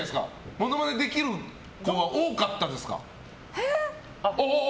モノマネできる子が多かったですか？